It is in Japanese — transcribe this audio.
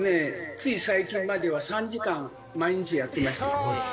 つい最近までは３時間毎日やっていました。